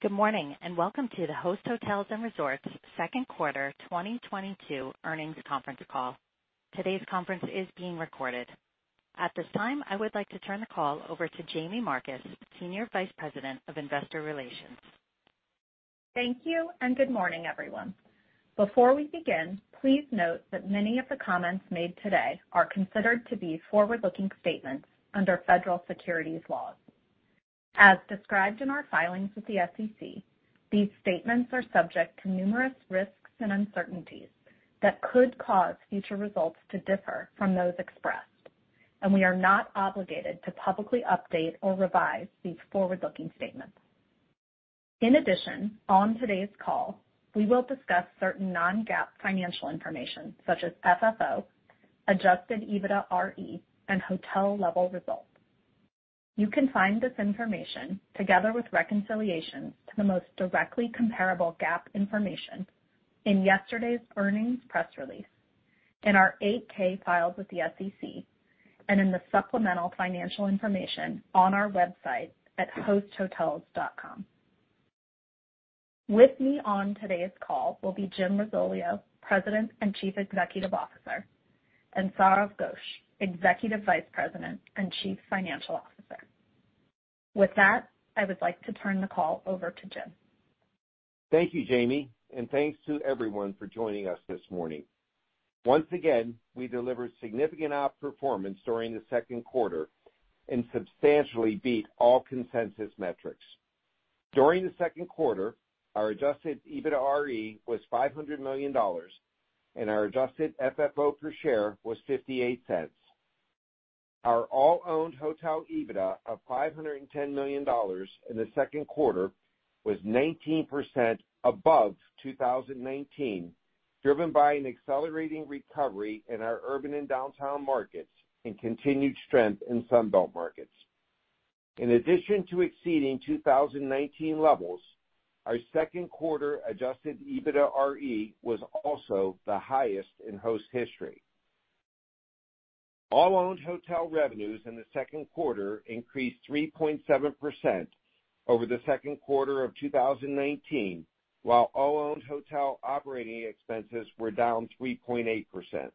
Good morning, and welcome to the Host Hotels & Resorts second quarter 2022 earnings conference call. Today's conference is being recorded. At this time, I would like to turn the call over to Jaime Marcus, Senior Vice President of Investor Relations. Thank you, and good morning, everyone. Before we begin, please note that many of the comments made today are considered to be forward-looking statements under federal securities laws. As described in our filings with the SEC, these statements are subject to numerous risks and uncertainties that could cause future results to differ from those expressed, and we are not obligated to publicly update or revise these forward-looking statements. In addition, on today's call, we will discuss certain non-GAAP financial information such as FFO, Adjusted EBITDAre, and hotel-level results. You can find this information, together with reconciliation to the most directly comparable GAAP information, in yesterday's earnings press release, in our 8-K filed with the SEC, and in the supplemental financial information on our website at hosthotels.com. With me on today's call will be Jim Risoleo, President and Chief Executive Officer, and Sourav Ghosh, Executive Vice President and Chief Financial Officer. With that, I would like to turn the call over to Jim. Thank you, Jamie. Thanks to everyone for joining us this morning. Once again, we delivered significant outperformance during the second quarter and substantially beat all consensus metrics. During the second quarter, our Adjusted EBITDAre was $500 million and our Adjusted FFO per share was $0.58. Our all-owned hotel EBITDA of $510 million in the second quarter was 19% above 2019, driven by an accelerating recovery in our urban and downtown markets and continued strength in Sunbelt markets. In addition to exceeding 2019 levels, our second quarter Adjusted EBITDAre was also the highest in Host history. All-owned hotel revenues in the second quarter increased 3.7% over the second quarter of 2019, while all-owned hotel operating expenses were down 3.8%.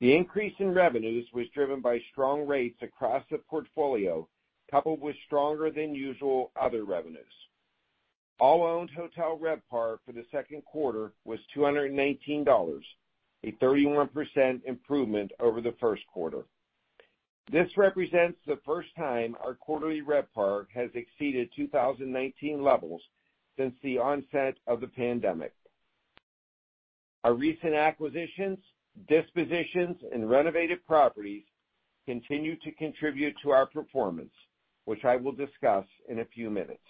The increase in revenues was driven by strong rates across the portfolio, coupled with stronger than usual other revenues. All-owned hotel RevPAR for the second quarter was $219, a 31% improvement over the first quarter. This represents the first time our quarterly RevPAR has exceeded 2019 levels since the onset of the pandemic. Our recent acquisitions, dispositions, and renovated properties continue to contribute to our performance, which I will discuss in a few minutes.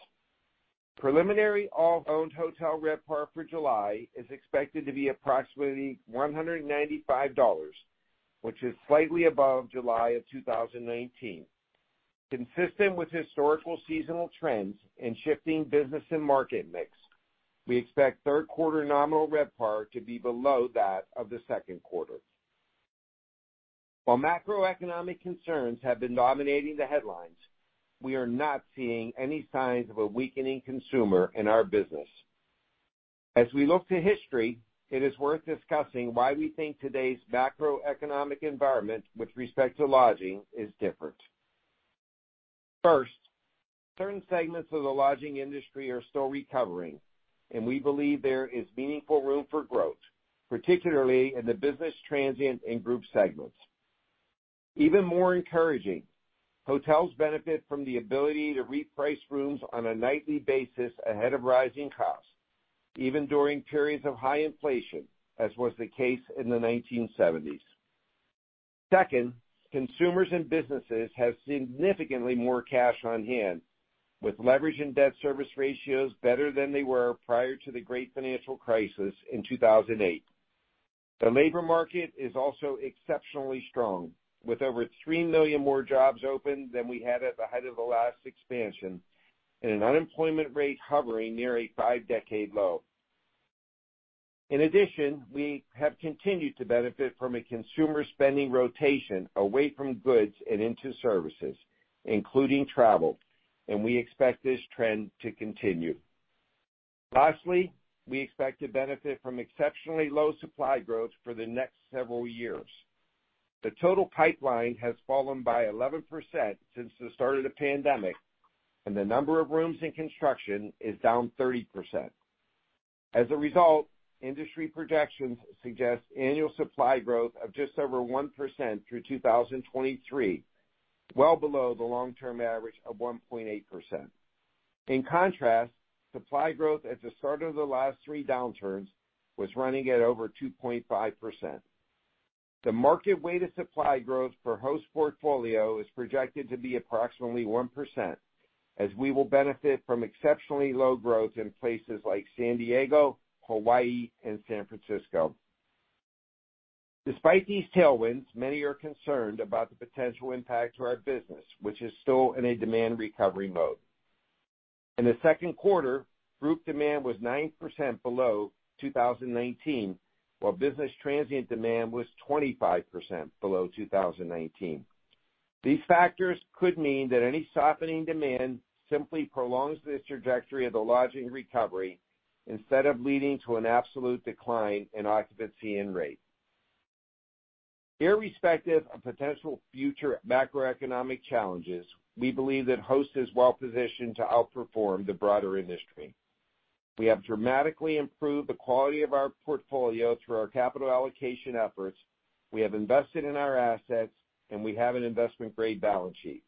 Preliminary all-owned hotel RevPAR for July is expected to be approximately $195, which is slightly above July of 2019. Consistent with historical seasonal trends and shifting business and market mix, we expect third quarter nominal RevPAR to be below that of the second quarter. While macroeconomic concerns have been dominating the headlines, we are not seeing any signs of a weakening consumer in our business. As we look to history, it is worth discussing why we think today's macroeconomic environment with respect to lodging is different. First, certain segments of the lodging industry are still recovering, and we believe there is meaningful room for growth, particularly in the business transient and group segments. Even more encouraging, hotels benefit from the ability to reprice rooms on a nightly basis ahead of rising costs, even during periods of high inflation, as was the case in the 1970s. Second, consumers and businesses have significantly more cash on hand, with leverage and debt service ratios better than they were prior to the great financial crisis in 2008. The labor market is also exceptionally strong, with over 3 million more jobs open than we had at the height of the last expansion and an unemployment rate hovering near a five-decade low. In addition, we have continued to benefit from a consumer spending rotation away from goods and into services, including travel, and we expect this trend to continue. Lastly, we expect to benefit from exceptionally low supply growth for the next several years. The total pipeline has fallen by 11% since the start of the pandemic, and the number of rooms in construction is down 30%. As a result, industry projections suggest annual supply growth of just over 1% through 2023, well below the long-term average of 1.8%. In contrast, supply growth at the start of the last three downturns was running at over 2.5%. The market weighted supply growth for Host portfolio is projected to be approximately 1%, as we will benefit from exceptionally low growth in places like San Diego, Hawaii, and San Francisco. Despite these tailwinds, many are concerned about the potential impact to our business, which is still in a demand recovery mode. In the second quarter, group demand was 9% below 2019, while business transient demand was 25% below 2019. These factors could mean that any softening demand simply prolongs this trajectory of the lodging recovery instead of leading to an absolute decline in occupancy and rate. Irrespective of potential future macroeconomic challenges, we believe that Host is well positioned to outperform the broader industry. We have dramatically improved the quality of our portfolio through our capital allocation efforts. We have invested in our assets, and we have an investment grade balance sheet.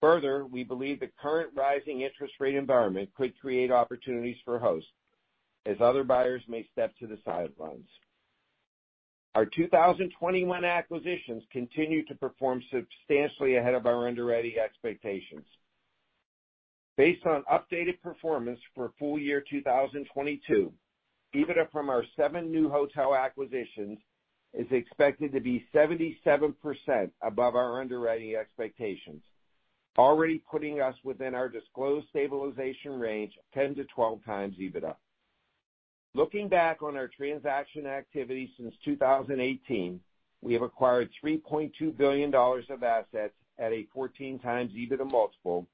Further, we believe the current rising interest rate environment could create opportunities for Host as other buyers may step to the sidelines. Our 2021 acquisitions continue to perform substantially ahead of our underwriting expectations. Based on updated performance for full-year 2022, EBITDA from our seven new hotel acquisitions is expected to be 77% above our underwriting expectations, already putting us within our disclosed stabilization range 10-12x EBITDA. Looking back on our transaction activity since 2018, we have acquired $3.2 billion of assets at a 14x EBITDA multiple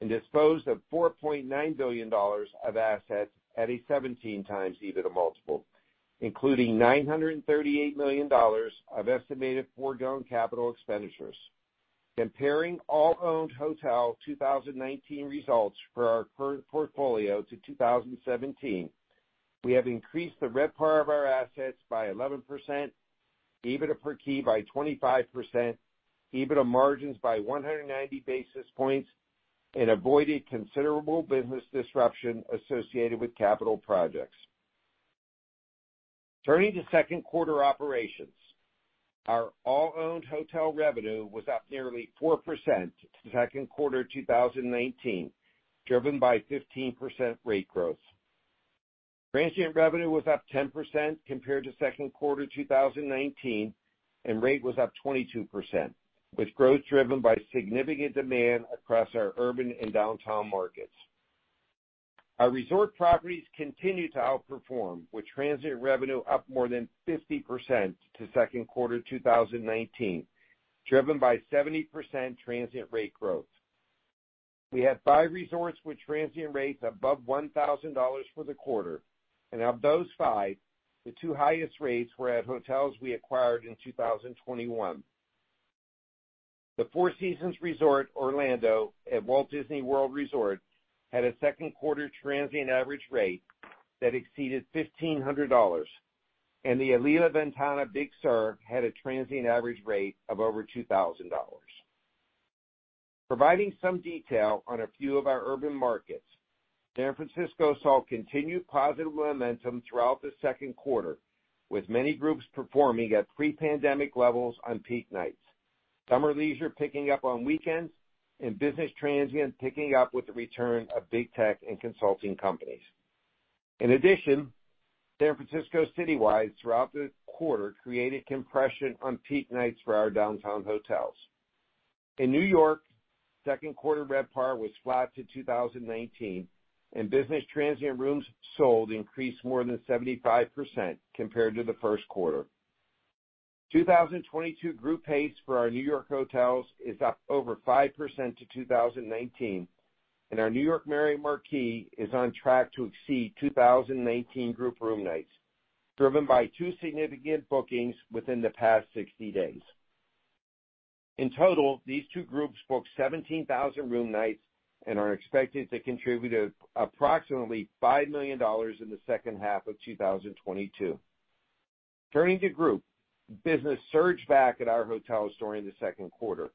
and disposed of $4.9 billion of assets at a 17x EBITDA multiple, including $938 million of estimated foregone capital expenditures. Comparing all owned hotel 2019 results for our current portfolio to 2017, we have increased the RevPAR of our assets by 11%, EBITDA per key by 25%, EBITDA margins by 190 basis points, and avoided considerable business disruption associated with capital projects. Turning to second quarter operations. Our all owned hotel revenue was up nearly 4% to second quarter 2019, driven by 15% rate growth. Transient revenue was up 10% compared to second quarter 2019, and rate was up 22%, with growth driven by significant demand across our urban and downtown markets. Our resort properties continue to outperform, with transient revenue up more than 50% to second quarter 2019, driven by 70% transient rate growth. We had five resorts with transient rates above $1,000 for the quarter, and of those five, the two highest rates were at hotels we acquired in 2021. The Four Seasons Resort Orlando at Walt Disney World Resort had a second quarter transient average rate that exceeded $1,500, and the Alila Ventana Big Sur had a transient average rate of over $2,000. Providing some detail on a few of our urban markets. San Francisco saw continued positive momentum throughout the second quarter, with many groups performing at pre-pandemic levels on peak nights, summer leisure picking up on weekends, and business transient picking up with the return of big tech and consulting companies. In addition, San Francisco citywide throughout the quarter created compression on peak nights for our downtown hotels. In New York, second quarter RevPAR was flat to 2019, and business transient rooms sold increased more than 75% compared to the first quarter. 2022 group pace for our New York Marriott Marquis is up over 5% to 2019, and our New York Marriott Marquis is on track to exceed 2019 group room nights, driven by two significant bookings within the past 60 days. In total, these two groups booked 17,000 room nights and are expected to contribute approximately $5 million in the second half of 2022. Turning to group. Business surged back at our hotels during the second quarter.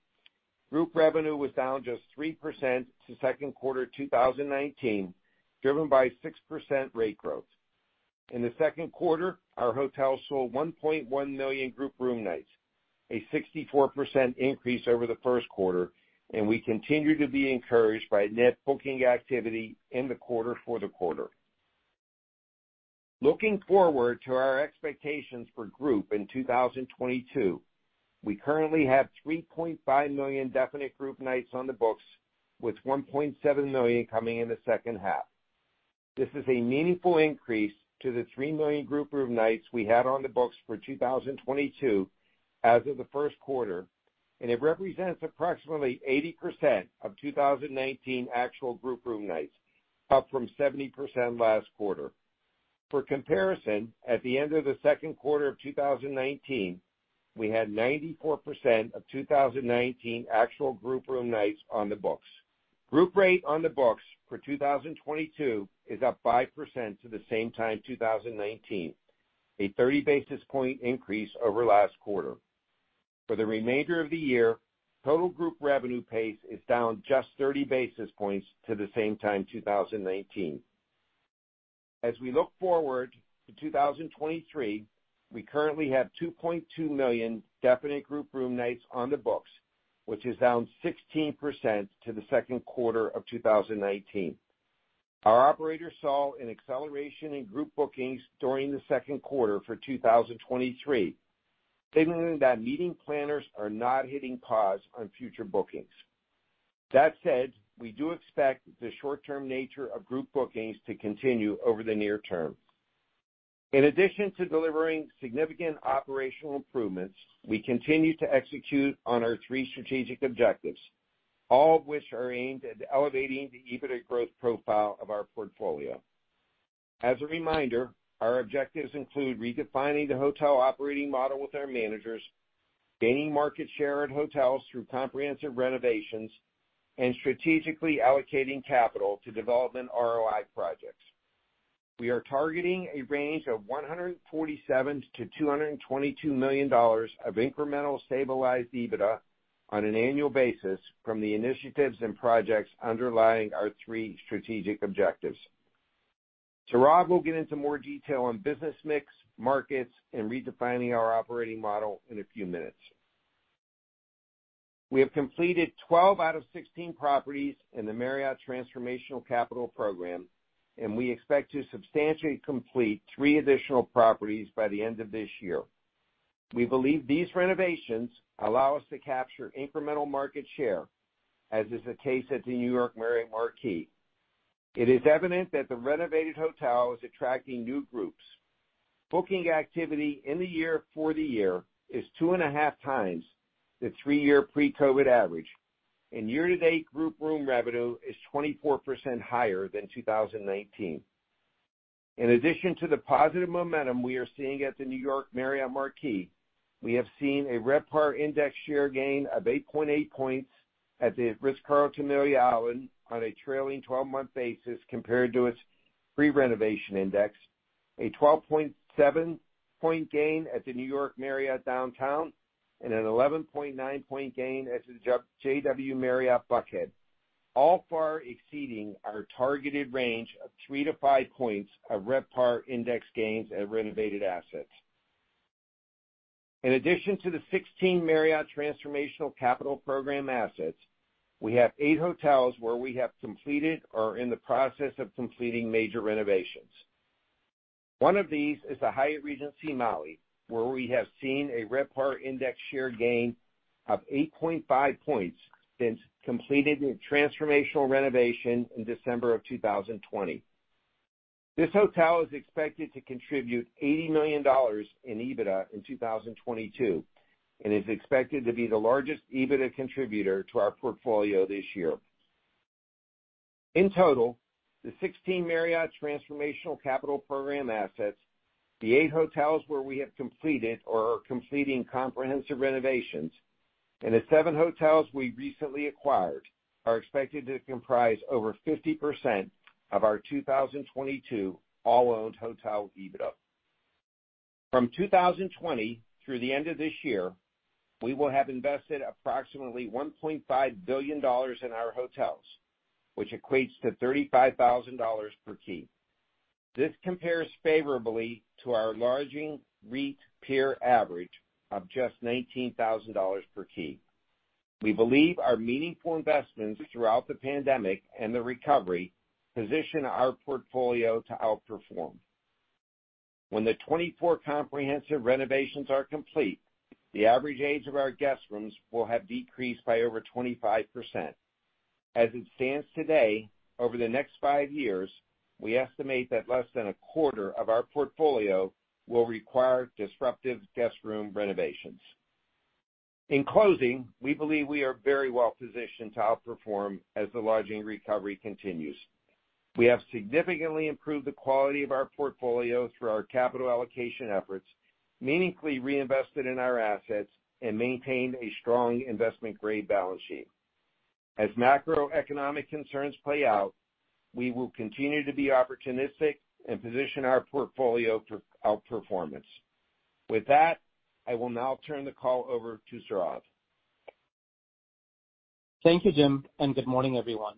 Group revenue was down just 3% to second quarter 2019, driven by 6% rate growth. In the second quarter, our hotels sold 1.1 million group room nights, a 64% increase over the first quarter, and we continue to be encouraged by net booking activity in the quarter for the quarter. Looking forward to our expectations for group in 2022, we currently have 3.5 million definite group nights on the books, with 1.7 million coming in the second half. This is a meaningful increase to the 3 million group room nights we had on the books for 2022 as of the first quarter, and it represents approximately 80% of 2019 actual group room nights, up from 70% last quarter. For comparison, at the end of the second quarter of 2019, we had 94% of 2019 actual group room nights on the books. Group rate on the books for 2022 is up 5% to the same time, 2019, a 30 basis point increase over last quarter. For the remainder of the year, total group revenue pace is down just 30 basis points to the same time, 2019. As we look forward to 2023, we currently have 2.2 million definite group room nights on the books, which is down 16% to the second quarter of 2019. Our operators saw an acceleration in group bookings during the second quarter for 2023, signaling that meeting planners are not hitting pause on future bookings. That said, we do expect the short-term nature of group bookings to continue over the near term. In addition to delivering significant operational improvements, we continue to execute on our three strategic objectives, all of which are aimed at elevating the EBITDA growth profile of our portfolio. As a reminder, our objectives include redefining the hotel operating model with our managers, gaining market share at hotels through comprehensive renovations, and strategically allocating capital to development ROI projects. We are targeting a range of $147 million-$222 million of incremental stabilized EBITDA on an annual basis from the initiatives and projects underlying our three strategic objectives. Sourav will get into more detail on business mix, markets, and redefining our operating model in a few minutes. We have completed 12 out of 16 properties in the Marriott Transformational Capital Program, and we expect to substantially complete three additional properties by the end of this year. We believe these renovations allow us to capture incremental market share, as is the case at the New York Marriott Marquis. It is evident that the renovated hotel is attracting new groups. Booking activity in the year for the year is 2.5x the three-year pre-COVID average, and year-to-date group room revenue is 24% higher than 2019. In addition to the positive momentum we are seeing at the New York Marriott Marquis, we have seen a RevPAR index share gain of eight point eight points at The Ritz-Carlton, Amelia Island on a trailing 12-month basis compared to its pre-renovation index, a 12.7-point gain at the New York Marriott Downtown, and an 11.9-point gain at the JW Marriott Atlanta Buckhead, all far exceeding our targeted range of three to five points of RevPAR index gains at renovated assets. In addition to the 16 Marriott Transformational Capital Program assets, we have eight hotels where we have completed or are in the process of completing major renovations. One of these is the Hyatt Regency Maui, where we have seen a RevPAR index gain of eight point five points since completing a transformational renovation in December 2020. This hotel is expected to contribute $80 million in EBITDA in 2022 and is expected to be the largest EBITDA contributor to our portfolio this year. In total, the 16 Marriott Transformational Capital Program assets, the eight hotels where we have completed or are completing comprehensive renovations, and the seven hotels we recently acquired are expected to comprise over 50% of our 2022 all-owned hotel EBITDA. From 2020 through the end of this year, we will have invested approximately $1.5 billion in our hotels, which equates to $35,000 per key. This compares favorably to our lodging REIT peer average of just $19,000 per key. We believe our meaningful investments throughout the pandemic and the recovery position our portfolio to outperform. When the 24 comprehensive renovations are complete, the average age of our guest rooms will have decreased by over 25%. As it stands today, over the next five years, we estimate that less than a quarter of our portfolio will require disruptive guest room renovations. In closing, we believe we are very well positioned to outperform as the lodging recovery continues. We have significantly improved the quality of our portfolio through our capital allocation efforts, meaningfully reinvested in our assets, and maintained a strong investment-grade balance sheet. As macroeconomic concerns play out, we will continue to be opportunistic and position our portfolio for outperformance. With that, I will now turn the call over to Sourav. Thank you, Jim, and good morning, everyone.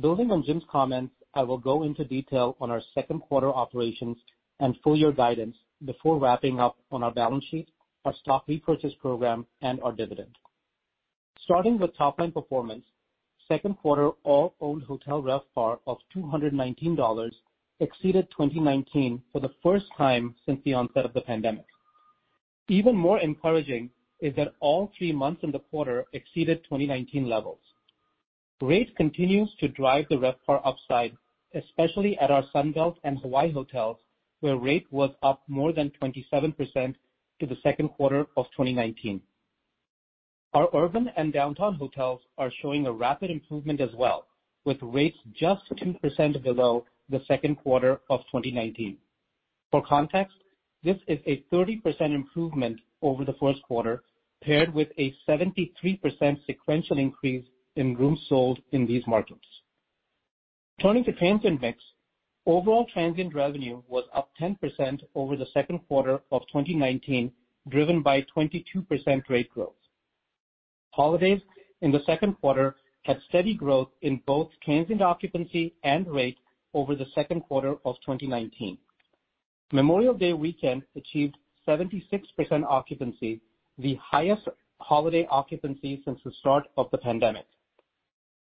Building on Jim's comments, I will go into detail on our second quarter operations and full-year guidance before wrapping up on our balance sheet, our stock repurchase program, and our dividend. Starting with top-line performance, second quarter all-owned hotel RevPAR of $219 exceeded 2019 for the first time since the onset of the pandemic. Even more encouraging is that all three months in the quarter exceeded 2019 levels. Rate continues to drive the RevPAR upside, especially at our Sunbelt and Hawaii hotels, where rate was up more than 27% to the second quarter of 2019. Our urban and downtown hotels are showing a rapid improvement as well, with rates just 10% below the second quarter of 2019. For context, this is a 30% improvement over the first quarter, paired with a 73% sequential increase in rooms sold in these markets. Turning to transient mix, overall transient revenue was up 10% over the second quarter of 2019, driven by 22% rate growth. Holidays in the second quarter had steady growth in both transient occupancy and rate over the second quarter of 2019. Memorial Day weekend achieved 76% occupancy, the highest holiday occupancy since the start of the pandemic.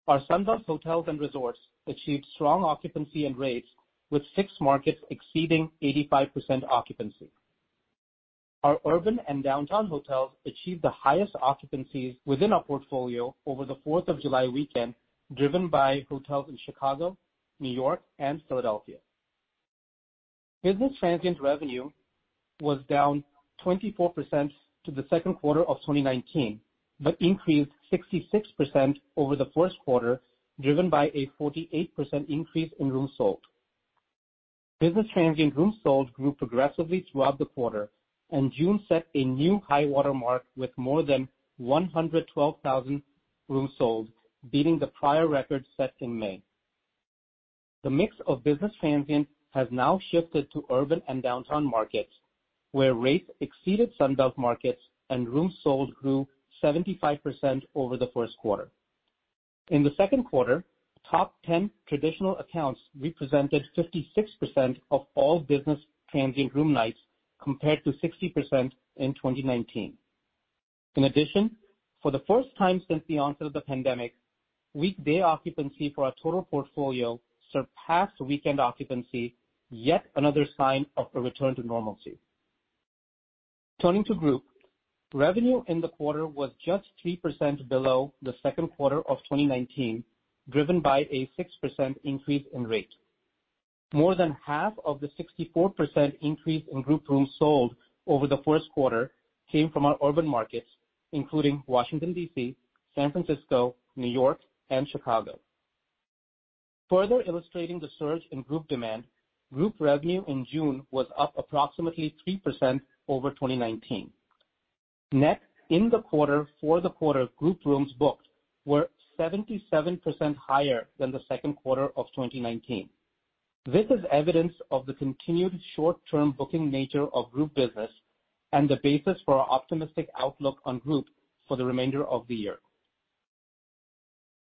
Our Sunbelt hotels and resorts achieved strong occupancy and rates, with six markets exceeding 85% occupancy. Our urban and downtown hotels achieved the highest occupancies within our portfolio over the Fourth of July weekend, driven by hotels in Chicago, New York, and Philadelphia. Business transient revenue was down 24% to the second quarter of 2019, but increased 66% over the first quarter, driven by a 48% increase in rooms sold. Business transient rooms sold grew progressively throughout the quarter, and June set a new high water mark with more than 112,000 rooms sold, beating the prior record set in May. The mix of business transient has now shifted to urban and downtown markets, where rates exceeded Sunbelt markets and rooms sold grew 75% over the first quarter. In the second quarter, top ten traditional accounts represented 56% of all business transient room nights, compared to 60% in 2019. In addition, for the first time since the onset of the pandemic, weekday occupancy for our total portfolio surpassed weekend occupancy, yet another sign of a return to normalcy. Turning to group, revenue in the quarter was just 3% below the second quarter of 2019, driven by a 6% increase in rate. More than half of the 64% increase in group rooms sold over the first quarter came from our urban markets, including Washington, D.C., San Francisco, New York, and Chicago. Further illustrating the surge in group demand, group revenue in June was up approximately 3% over 2019. For the quarter, group rooms booked were 77% higher than the second quarter of 2019. This is evidence of the continued short-term booking nature of group business and the basis for our optimistic outlook on group for the remainder of the year.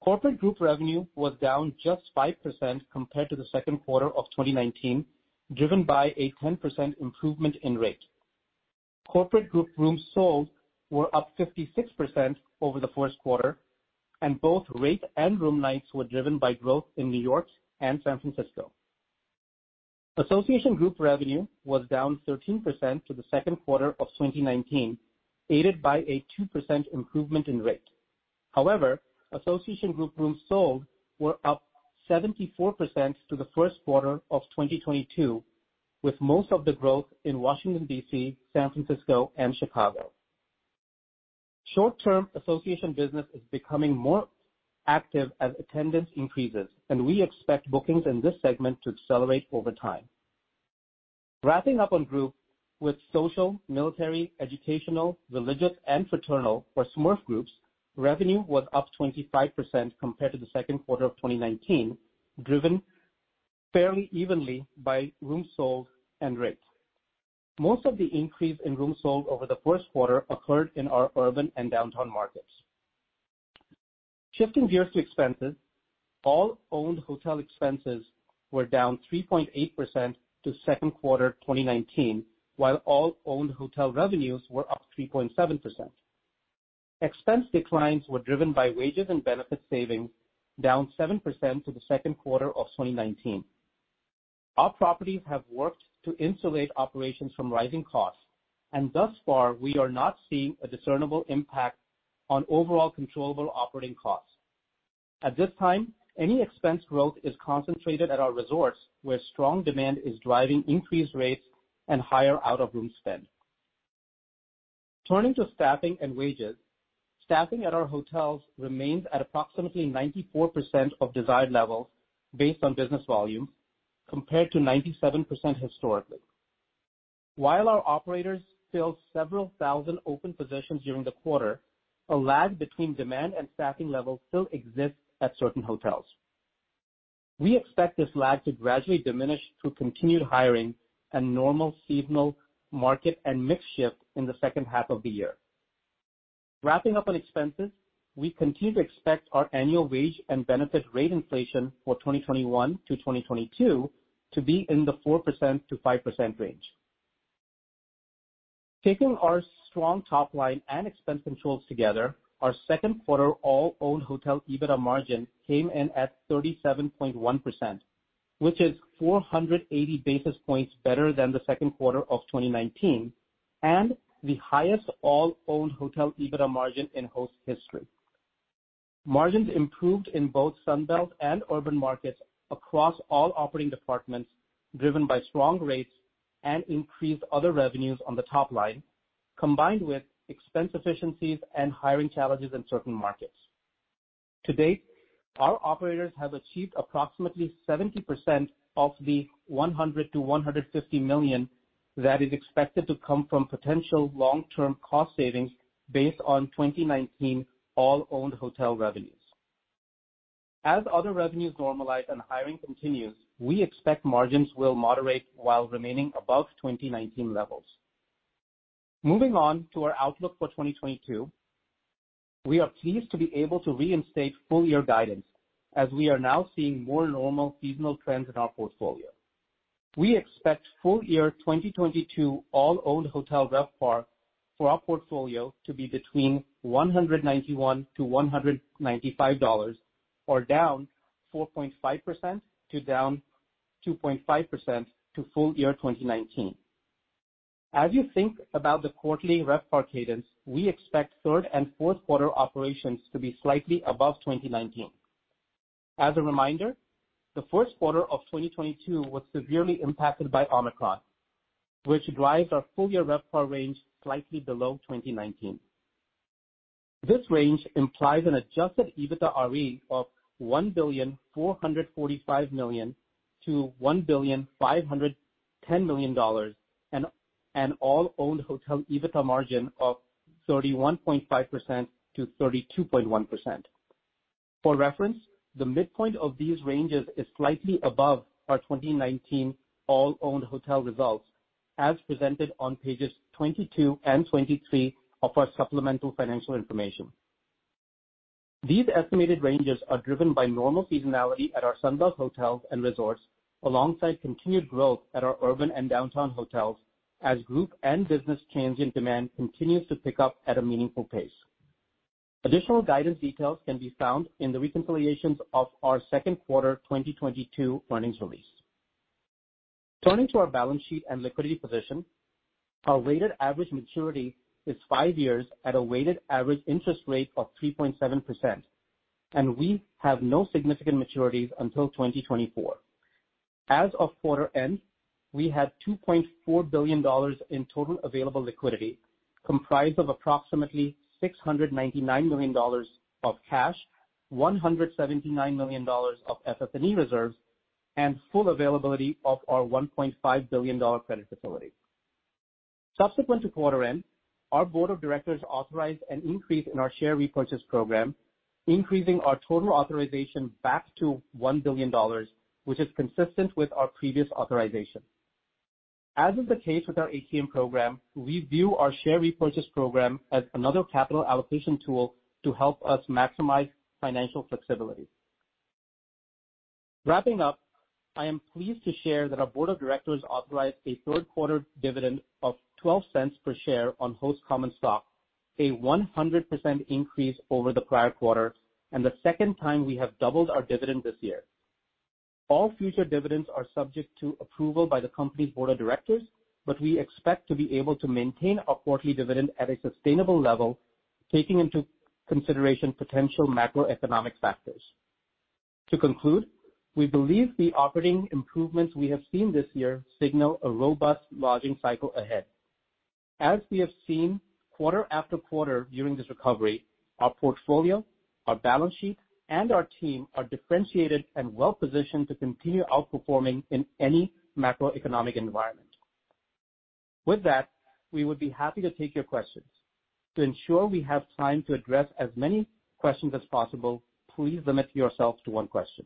Corporate group revenue was down just 5% compared to the second quarter of 2019, driven by a 10% improvement in rate. Corporate group rooms sold were up 56% over the first quarter, and both rate and room nights were driven by growth in New York and San Francisco. Association group revenue was down 13% to the second quarter of 2019, aided by a 2% improvement in rate. However, association group rooms sold were up 74% to the first quarter of 2022, with most of the growth in Washington, D.C., San Francisco, and Chicago. Short-term association business is becoming more active as attendance increases, and we expect bookings in this segment to accelerate over time. Wrapping up on group with social, military, educational, religious, and fraternal, or SMERF groups, revenue was up 25% compared to the second quarter of 2019, driven fairly evenly by rooms sold and rate. Most of the increase in rooms sold over the first quarter occurred in our urban and downtown markets. Shifting gears to expenses. All owned hotel expenses were down 3.8% to second quarter 2019, while all owned hotel revenues were up 3.7%. Expense declines were driven by wages and benefit savings, down 7% to the second quarter of 2019. Our properties have worked to insulate operations from rising costs, and thus far, we are not seeing a discernible impact on overall controllable operating costs. At this time, any expense growth is concentrated at our resorts, where strong demand is driving increased rates and higher out-of-room spend. Turning to staffing and wages. Staffing at our hotels remains at approximately 94% of desired levels based on business volume, compared to 97% historically. While our operators filled several thousand open positions during the quarter, a lag between demand and staffing levels still exists at certain hotels. We expect this lag to gradually diminish through continued hiring and normal seasonal market and mix shift in the second half of the year. Wrapping up on expenses. We continue to expect our annual wage and benefit rate inflation for 2021 to 2022 to be in the 4%-5% range. Taking our strong top line and expense controls together, our second quarter all-owned hotel EBITDA margin came in at 37.1%, which is 480 basis points better than the second quarter of 2019, and the highest all-owned hotel EBITDA margin in Host history. Margins improved in both Sunbelt and urban markets across all operating departments, driven by strong rates and increased other revenues on the top line, combined with expense efficiencies and hiring challenges in certain markets. To date, our operators have achieved approximately 70% of the $100 million-$150 million that is expected to come from potential long-term cost savings based on 2019 all-owned hotel revenues. As other revenues normalize and hiring continues, we expect margins will moderate while remaining above 2019 levels. Moving on to our outlook for 2022. We are pleased to be able to reinstate full-year guidance as we are now seeing more normal seasonal trends in our portfolio. We expect full-year 2022 all-owned hotel RevPAR for our portfolio to be between $191-$195, or down 4.5% to down 2.5% to full-year 2019. As you think about the quarterly RevPAR cadence, we expect third and fourth quarter operations to be slightly above 2019. As a reminder, the first quarter of 2022 was severely impacted by Omicron, which drives our full-year RevPAR range slightly below 2019. This range implies an Adjusted EBITDAre of $1.445 billion-$1.510 billion and all owned hotel EBITDA margin of 31.5%-32.1%. For reference, the midpoint of these ranges is slightly above our 2019 all owned hotel results, as presented on pages 22 and 23 of our supplemental financial information. These estimated ranges are driven by normal seasonality at our Sunbelt hotels and resorts, alongside continued growth at our urban and downtown hotels as group and business transient demand continues to pick up at a meaningful pace. Additional guidance details can be found in the reconciliations of our second quarter 2022 earnings release. Turning to our balance sheet and liquidity position, our weighted average maturity is five years at a weighted average interest rate of 3.7%, and we have no significant maturities until 2024. As of quarter end, we had $2.4 billion in total available liquidity, comprised of approximately $699 million of cash, $179 million of FF&E reserves, and full availability of our $1.5 billion credit facility. Subsequent to quarter end, our board of directors authorized an increase in our share repurchase program, increasing our total authorization back to $1 billion, which is consistent with our previous authorization. As is the case with our ATM program, we view our share repurchase program as another capital allocation tool to help us maximize financial flexibility. Wrapping up, I am pleased to share that our board of directors authorized a third quarter dividend of $0.12 per share on Host common stock, a 100% increase over the prior quarter and the second time we have doubled our dividend this year. All future dividends are subject to approval by the company's board of directors, but we expect to be able to maintain our quarterly dividend at a sustainable level, taking into consideration potential macroeconomic factors. To conclude, we believe the operating improvements we have seen this year signal a robust lodging cycle ahead. As we have seen quarter after quarter during this recovery, our portfolio, our balance sheet, and our team are differentiated and well-positioned to continue outperforming in any macroeconomic environment. With that, we would be happy to take your questions. To ensure we have time to address as many questions as possible, please limit yourself to one question.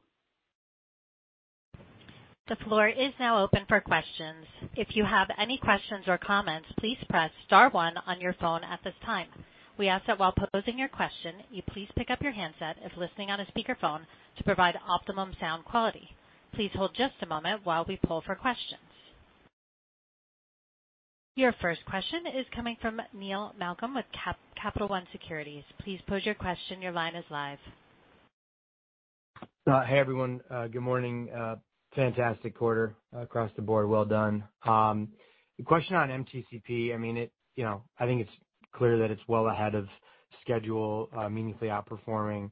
The floor is now open for questions. If you have any questions or comments, please press star one on your phone at this time. We ask that while posing your question, you please pick up your handset if listening on a speakerphone to provide optimum sound quality. Please hold just a moment while we poll for questions. Your first question is coming from Neil Malkin with Capital One Securities. Please pose your question. Your line is live. Hey, everyone, good morning. Fantastic quarter across the board. Well done. The question on MTCP, I mean, it, you know, I think it's clear that it's well ahead of schedule, meaningfully outperforming.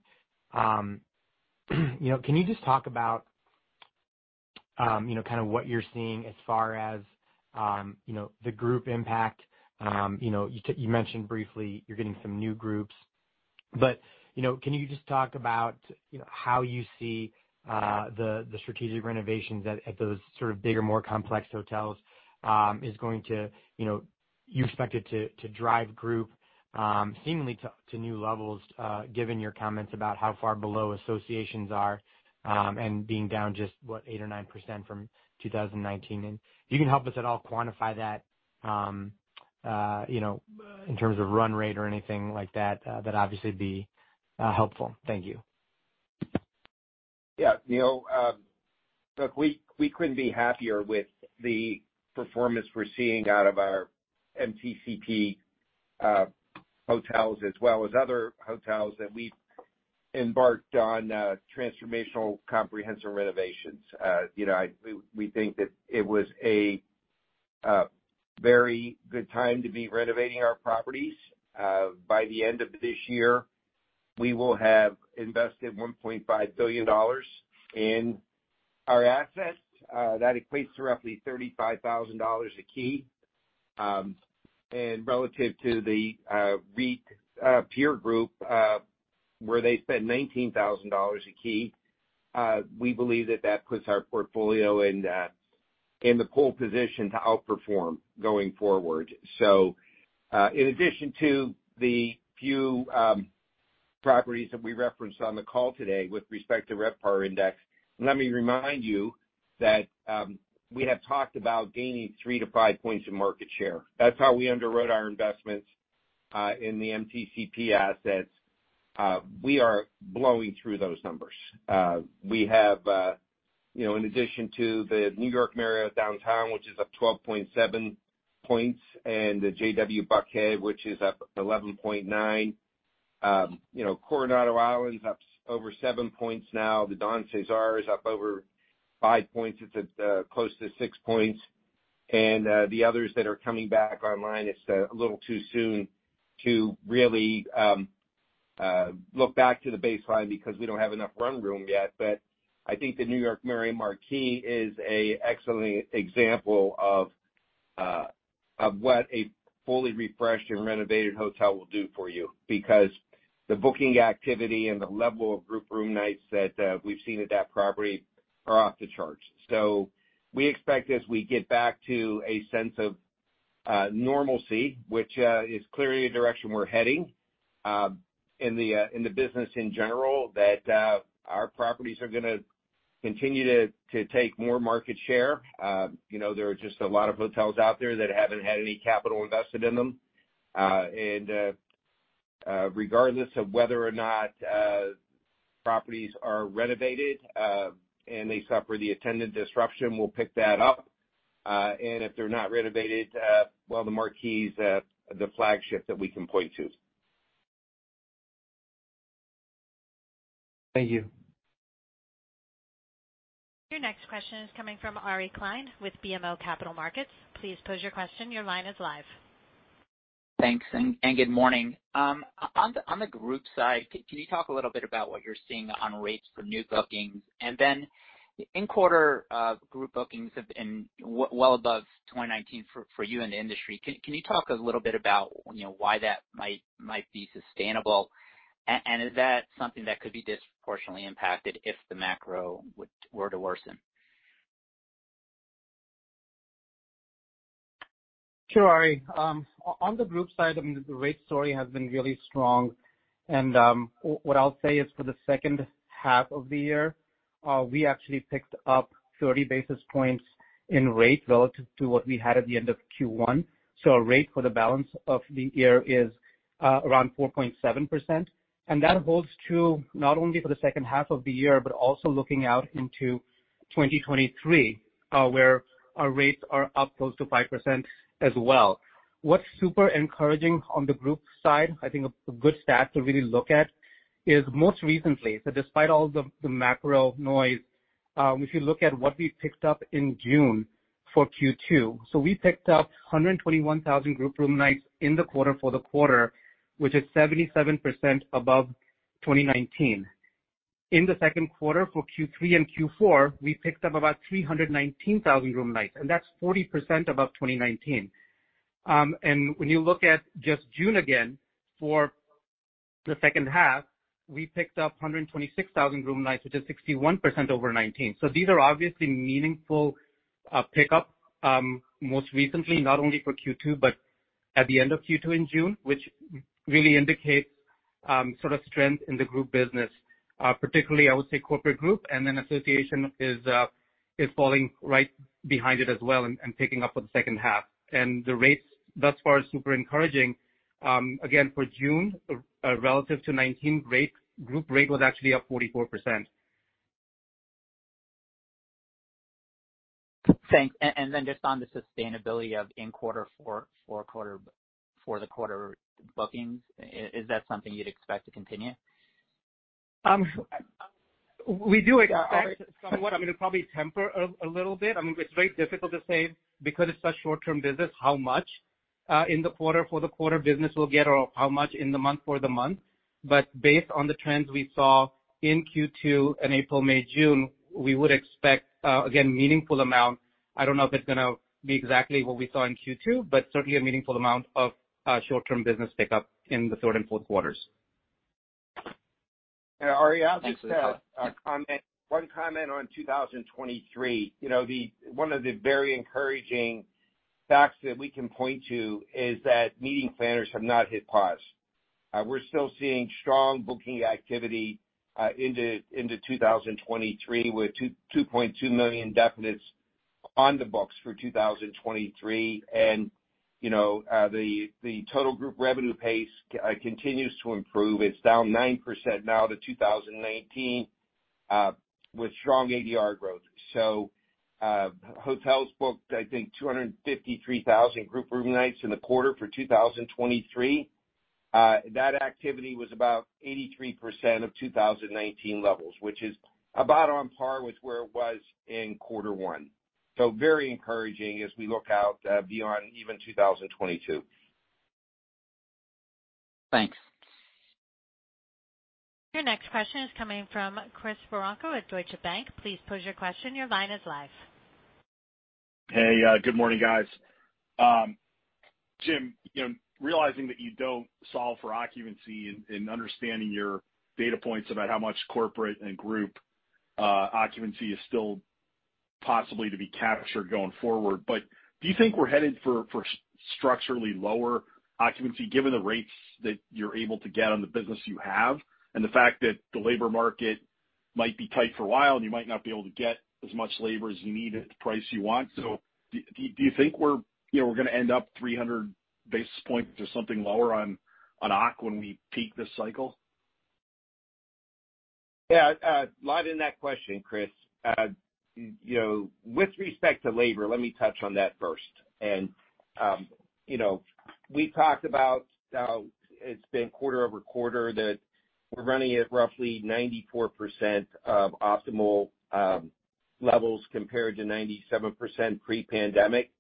You know, can you just talk about, you know, kinda what you're seeing as far as, you know, the group impact? You said you mentioned briefly you're getting some new groups, but, you know, can you just talk about, you know, how you see the strategic renovations at those sort of bigger, more complex hotels is going to, you know, you expect it to drive group seemingly to new levels, given your comments about how far below associations are, and being down just, what, 8% or 9% from 2019. If you can help us at all quantify that, you know, in terms of run rate or anything like that'd obviously be helpful. Thank you. Yeah. Neil, look, we couldn't be happier with the performance we're seeing out of our MTCP hotels as well as other hotels that we've embarked on transformational comprehensive renovations. You know, we think that it was a very good time to be renovating our properties. By the end of this year, we will have invested $1.5 billion in our assets. That equates to roughly $35,000 a key. Relative to the REIT peer group, where they spend $19,000 a key, we believe that puts our portfolio in the pole position to outperform going forward. In addition to the few properties that we referenced on the call today with respect to RevPAR index, let me remind you that we have talked about gaining three to five points in market share. That's how we underwrote our investments in the MTCP assets. We are blowing through those numbers. We have, you know, in addition to the New York Marriott Downtown, which is up 12.7 points, and the JW Marriott Atlanta Buckhead, which is up 11.9 You know, Coronado Island's up over seven points now. The Don CeSar is up over five points. It's at close to six points. The others that are coming back online, it's a little too soon to really look back to the baseline because we don't have enough run room yet. I think the New York Marriott Marquis is an excellent example of what a fully refreshed and renovated hotel will do for you because the booking activity and the level of group room nights that we've seen at that property are off the charts. We expect as we get back to a sense of normalcy, which is clearly a direction we're heading in the business in general, that our properties are gonna continue to take more market share. You know, there are just a lot of hotels out there that haven't had any capital invested in them. Regardless of whether or not properties are renovated and they suffer the attendant disruption, we'll pick that up. If they're not renovated, well, the Marquis, the flagship that we can point to. Thank you. Your next question is coming from Ari Klein with BMO Capital Markets. Please pose your question. Your line is live. Thanks and good morning. On the group side, can you talk a little bit about what you're seeing on rates for new bookings? Then in quarter, group bookings have been well above 2019 for you in the industry. Can you talk a little bit about, you know, why that might be sustainable? Is that something that could be disproportionately impacted if the macro were to worsen? Sure, Ari. On the group side, I mean, the rate story has been really strong. What I'll say is for the second half of the year, we actually picked up 30 basis points in rate relative to what we had at the end of Q1. Our rate for the balance of the year is around 4.7%. That holds true not only for the second half of the year, but also looking out into 2023, where our rates are up close to 5% as well. What's super encouraging on the group side, I think a good stat to really look at, is most recently, so despite all the macro noise, if you look at what we picked up in June for Q2, so we picked up 121,000 group room nights in the quarter for the quarter, which is 77% above 2019. In the second half for Q3 and Q4, we picked up about 319,000 room nights, and that's 40% above 2019. When you look at just June again, for the second half, we picked up 126,000 room nights, which is 61% over 2019. These are obviously meaningful pickup, most recently, not only for Q2, but at the end of Q2 in June, which really indicates sort of strength in the group business. Particularly I would say corporate group, and then association is falling right behind it as well and picking up for the second half. The rates thus far are super encouraging. Again, for June, relative to 2019 rate, group rate was actually up 44%. Thanks. Just on the sustainability of forward bookings for the quarter, is that something you'd expect to continue? We do expect somewhat. I'm gonna probably temper a little bit. I mean, it's very difficult to say because it's such short-term business how much in the quarter for the quarter business we'll get or how much in the month for the month. Based on the trends we saw in Q2, in April, May, June, we would expect again meaningful amount. I don't know if it's gonna be exactly what we saw in Q2, but certainly a meaningful amount of short-term business pickup in the third and fourth quarters. Ari, I'll just comment one comment on 2023. You know, one of the very encouraging facts that we can point to is that meeting planners have not hit pause. We're still seeing strong booking activity into 2023 with 2.2 million definites on the books for 2023. You know, the total group revenue pace continues to improve. It's down 9% now to 2019 with strong ADR growth. Hotels booked, I think, 253,000 group room nights in the quarter for 2023. That activity was about 83% of 2019 levels, which is about on par with where it was in quarter one. Very encouraging as we look out beyond even 2022. Thanks. Your next question is coming from Chris Woronka with Deutsche Bank. Please pose your question. Your line is live. Hey, good morning guys. Jim, you know, realizing that you don't solve for occupancy in understanding your data points about how much corporate and group occupancy is still possibly to be captured going forward, but do you think we're headed for structurally lower occupancy given the rates that you're able to get on the business you have, and the fact that the labor market might be tight for a while and you might not be able to get as much labor as you need at the price you want? Do you think we're, you know, we're gonna end up 300 basis points or something lower on occ when we peak this cycle? Yeah, a lot in that question, Chris. You know, with respect to labor, let me touch on that first. You know, we talked about how it's been quarter-over-quarter that we're running at roughly 94% of optimal levels compared to 97% pre-pandemic.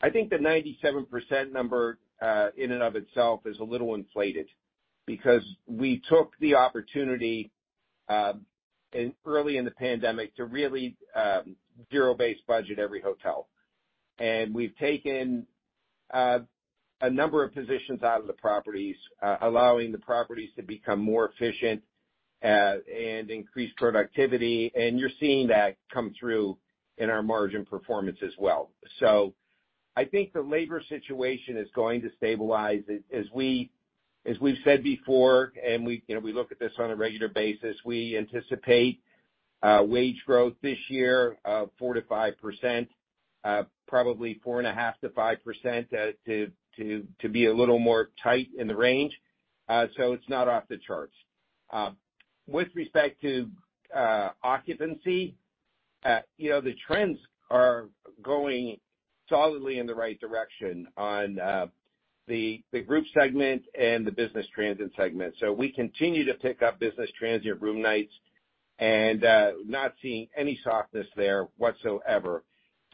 I think the 97% number, in and of itself is a little inflated because we took the opportunity, early in the pandemic to really, zero-based budget every hotel. We've taken, a number of positions out of the properties, allowing the properties to become more efficient, and increase productivity. You're seeing that come through in our margin performance as well. I think the labor situation is going to stabilize. As we've said before, you know, we look at this on a regular basis. We anticipate wage growth this year of 4%-5%, probably 4.5%-5%, to be a little more tight in the range. It's not off the charts. With respect to occupancy, you know, the trends are going solidly in the right direction on the group segment and the business transient segment. We continue to pick up business transient room nights and not seeing any softness there whatsoever.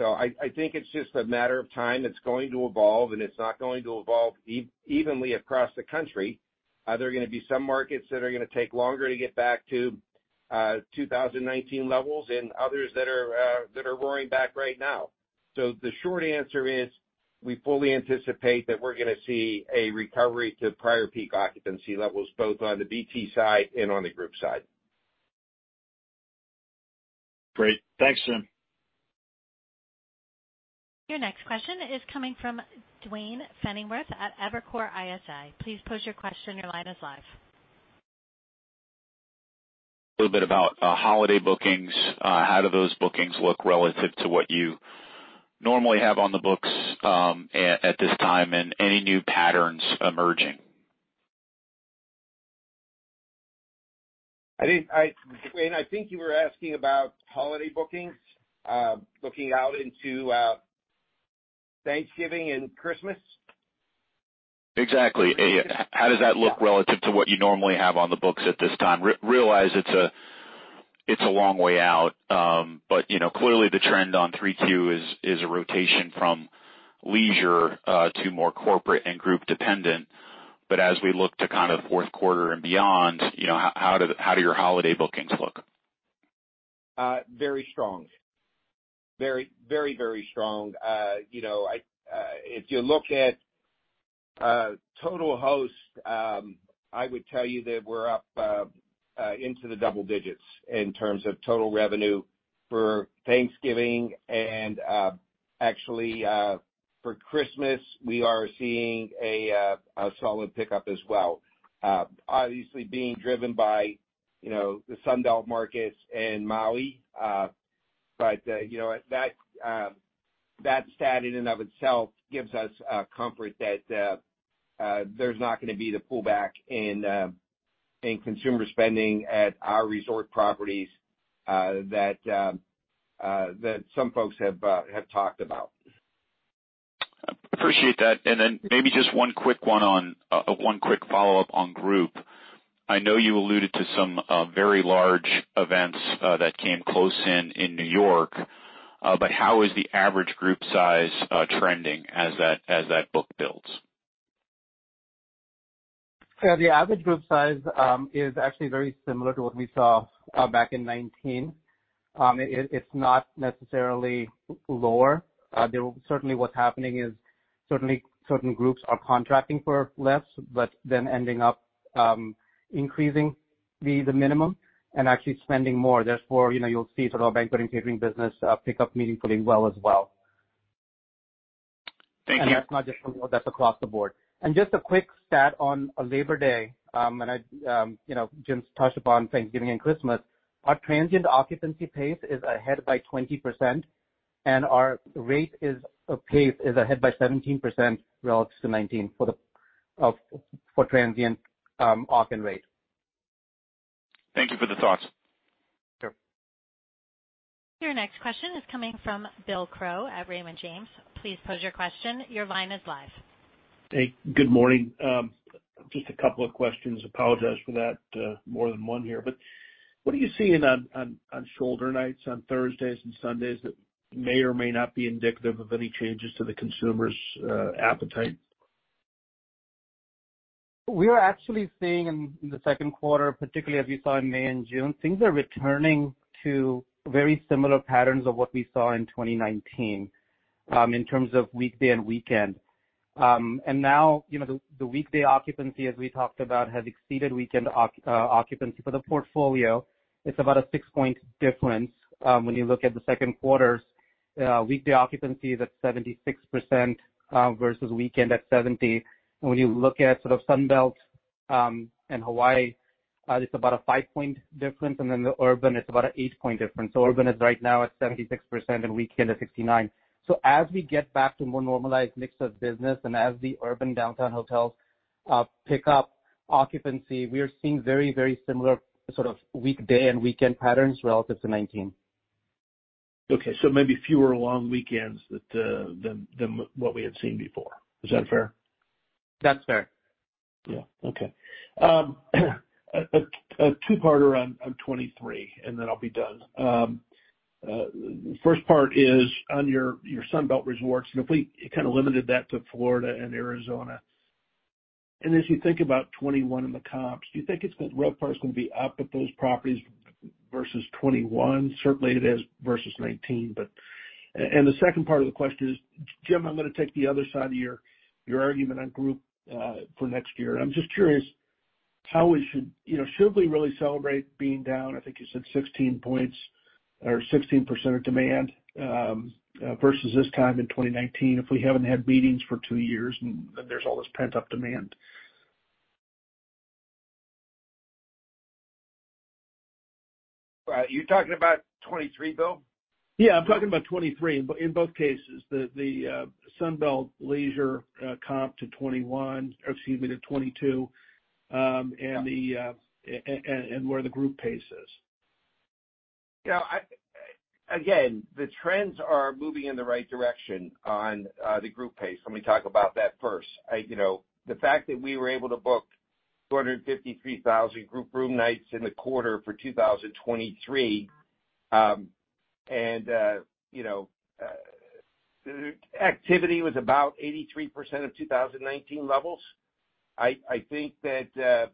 I think it's just a matter of time. It's going to evolve, and it's not going to evolve evenly across the country. There are gonna be some markets that are gonna take longer to get back to 2019 levels and others that are roaring back right now. The short answer is, we fully anticipate that we're gonna see a recovery to prior peak occupancy levels, both on the BT side and on the group side. Great. Thanks, Jim. Your next question is coming from Duane Pfennigwerth at Evercore ISI. Please pose your question. Your line is live. Little bit about holiday bookings. How do those bookings look relative to what you normally have on the books at this time, and any new patterns emerging? I think, Duane, you were asking about holiday bookings, looking out into Thanksgiving and Christmas? Exactly. How does that look relative to what you normally have on the books at this time? Realize it's a long way out. You know, clearly the trend on 3Q is a rotation from leisure to more corporate and group dependent. As we look to kind of fourth quarter and beyond, you know, how do your holiday bookings look? Very strong. Very strong. You know, if you look at total Host, I would tell you that we're up into the double digits in terms of total revenue for Thanksgiving and actually for Christmas, we are seeing a solid pickup as well. Obviously being driven by you know the Sun Belt markets and Maui. You know, that stat in and of itself gives us comfort that there's not gonna be the pullback in consumer spending at our resort properties that some folks have talked about. Appreciate that. Maybe just one quick follow-up on group. I know you alluded to some very large events that came close in New York. How is the average group size trending as that book builds? Yeah, the average group size is actually very similar to what we saw back in 2019. It's not necessarily lower. Certainly what's happening is certainly certain groups are contracting for less, but then ending up increasing the minimum and actually spending more. Therefore, you know, you'll see sort of our banqueting catering business pick up meaningfully well as well. Thank you. That's not just across the board. Just a quick stat on Labor Day, and I, you know, Jim touched upon Thanksgiving and Christmas. Our transient occupancy pace is ahead by 20%, and our rate pace is ahead by 17% relative to 2019 for transient occ and rate. Thank you for the thoughts. Sure. Your next question is coming from Bill Crow at Raymond James. Please pose your question. Your line is live. Hey, good morning. Just a couple of questions. Apologize for that, more than one here. What are you seeing on shoulder nights on Thursdays and Sundays that may or may not be indicative of any changes to the consumer's appetite? We are actually seeing in the second quarter, particularly as you saw in May and June, things are returning to very similar patterns of what we saw in 2019 in terms of weekday and weekend. Now, you know, the weekday occupancy, as we talked about, has exceeded weekend occupancy. For the portfolio, it's about a six-point difference, when you look at the second quarter's weekday occupancy that's 76%, versus weekend at 70%. When you look at sort of Sun Belt and Hawaii, it's about a five-point difference, and then the urban, it's about an eight-point difference. Urban is right now at 76% and weekend at 69%. As we get back to more normalized mix of business and as the urban downtown hotels pick up occupancy, we are seeing very, very similar sort of weekday and weekend patterns relative to 2019. Okay. Maybe fewer long weekends than what we had seen before. Is that fair? That's fair. Yeah. Okay. A two-parter on 2023, and then I'll be done. First part is on your Sunbelt resorts, and if we kinda limited that to Florida and Arizona, and as you think about 2021 in the comps, do you think RevPAR is gonna be up at those properties versus 2021? Certainly it is versus 2019, but the second part of the question is, Jim, I'm gonna take the other side of your argument on group for next year. I'm just curious how we should you know, should we really celebrate being down, I think you said 16 points or 16% of demand versus this time in 2019 if we haven't had meetings for two years and there's all this pent-up demand? You're talking about 2023, Bill? Yeah, I'm talking about 2023 in both cases, the Sunbelt leisure comp to 2021 or excuse me, to 2022, and where the group pace is. You know, again, the trends are moving in the right direction on the group pace. Let me talk about that first. You know, the fact that we were able to book 253,000 group room nights in the quarter for 2023, and you know, activity was about 83% of 2019 levels. I think that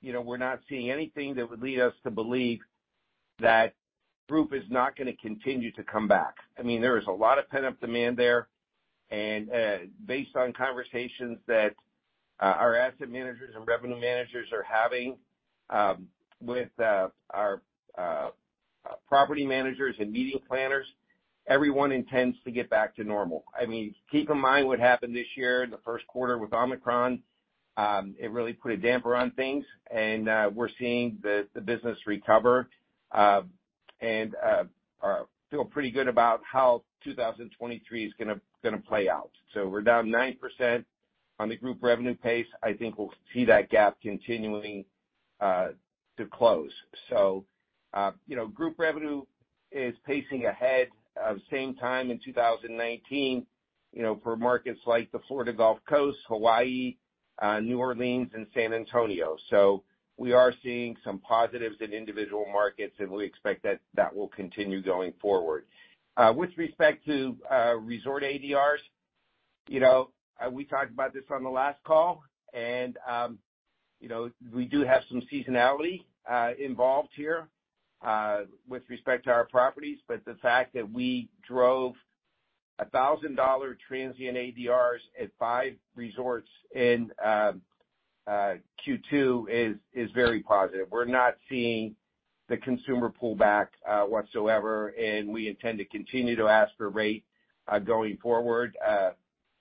you know, we're not seeing anything that would lead us to believe that group is not gonna continue to come back. I mean, there is a lot of pent-up demand there, and based on conversations that our asset managers and revenue managers are having with our property managers and meeting planners, everyone intends to get back to normal. I mean, keep in mind what happened this year in the first quarter with Omicron. It really put a damper on things and we're seeing the business recover and feel pretty good about how 2023 is gonna play out. We're down 9% on the group revenue pace. I think we'll see that gap continuing to close. You know, group revenue is pacing ahead of same time in 2019, you know, for markets like the Florida Gulf Coast, Hawaii, New Orleans and San Antonio. We are seeing some positives in individual markets, and we expect that will continue going forward. With respect to resort ADRs, you know, we talked about this on the last call and, you know, we do have some seasonality involved here, with respect to our properties. The fact that we drove $1,000 transient ADRs at 5 resorts in Q2 is very positive. We're not seeing the consumer pull back whatsoever, and we intend to continue to ask for rate going forward.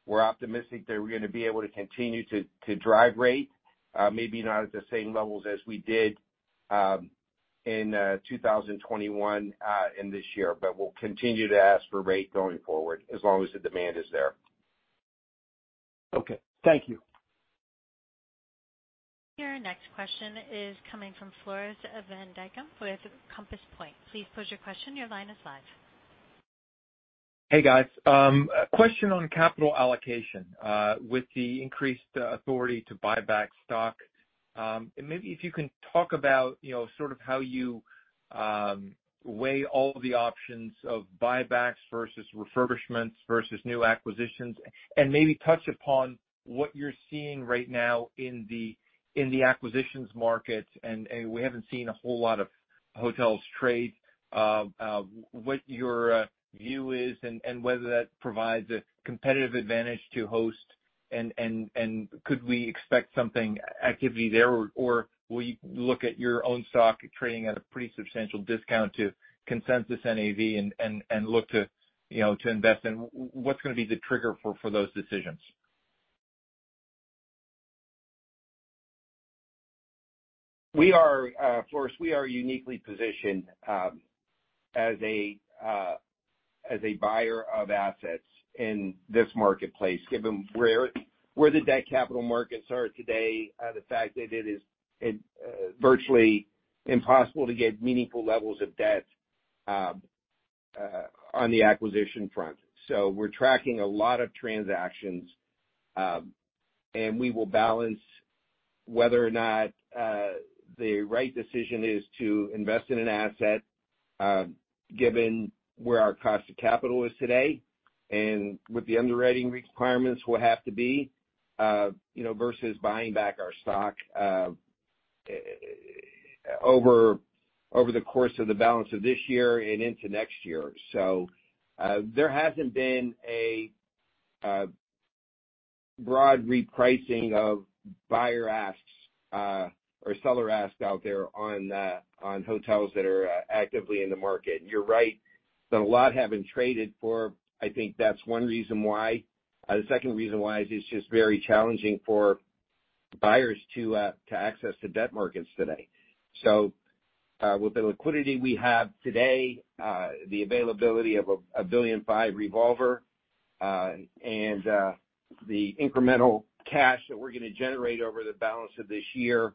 We're optimistic that we're gonna be able to continue to drive rate, maybe not at the same levels as we did in 2021 and this year. We'll continue to ask for rate going forward as long as the demand is there. Okay. Thank you. Your next question is coming from Floris van Dijkum with Compass Point. Please pose your question. Your line is live. Hey, guys. A question on capital allocation with the increased authority to buy back stock. Maybe if you can talk about, you know, sort of how you weigh all the options of buybacks versus refurbishments versus new acquisitions, and maybe touch upon what you're seeing right now in the acquisitions market. We haven't seen a whole lot of hotels trade. What your view is and whether that provides a competitive advantage to Host and could we expect something actively there, or will you look at your own stock trading at a pretty substantial discount to consensus NAV and look to, you know, to invest? What's gonna be the trigger for those decisions? We are, Floris, we are uniquely positioned as a buyer of assets in this marketplace, given where the debt capital markets are today, the fact that it is virtually impossible to get meaningful levels of debt on the acquisition front. We're tracking a lot of transactions, and we will balance whether or not the right decision is to invest in an asset, given where our cost of capital is today and what the underwriting requirements will have to be, you know, versus buying back our stock, over the course of the balance of this year and into next year. There hasn't been a broad repricing of buyer asks or seller asks out there on hotels that are actively in the market. You're right that a lot haven't traded for. I think that's one reason why. The second reason why is it's just very challenging for buyers to access the debt markets today. With the liquidity we have today, the availability of a $1.5 billion revolver, and the incremental cash that we're gonna generate over the balance of this year,